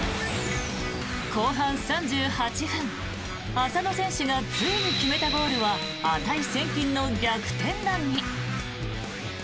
後半３８分浅野選手がついに決めたゴールは値千金の逆転弾に。